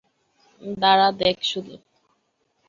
দাঁড়া দেখ শুধু!